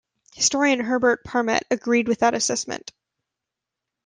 Historian Herbert Parmet agreed with that assessment.